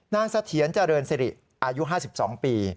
นางสัทเฉียนเจริญสิริอายุ๕๒ปี